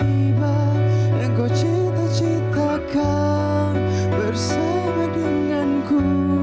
tiba yang kau cita citakan bersama denganku